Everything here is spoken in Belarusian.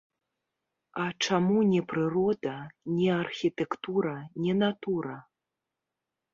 А чаму не прырода, не архітэктара, не натура?